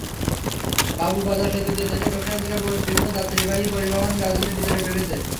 বাবুবাজার সেতু দিয়ে দেশের দক্ষিণাঞ্চলের বিভিন্ন যাত্রীবাহী পরিবহন রাজধানীর ভেতরে ঢুকছে।